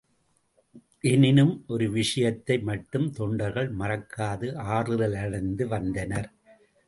எனினும் ஒரு விஷயத்தை மட்டும் தொண்டர்கள் மறக்காது ஆறுதலடைந்து வந்தனர்.